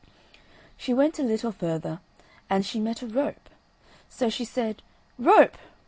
She went a little further, and she met a rope. So she said: "Rope!